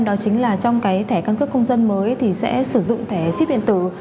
đó chính là trong cái thẻ căn cước công dân mới thì sẽ sử dụng thẻ chip điện tử